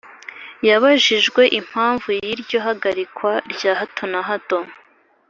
Yabajijwe impamvu y’ iryo hagarikwa rya hato na hato